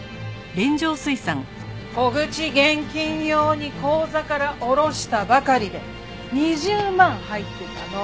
小口現金用に口座から下ろしたばかりで２０万入ってたの。